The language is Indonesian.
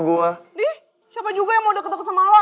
dih siapa juga yang mau deket deket sama lo